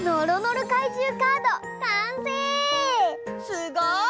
すごい！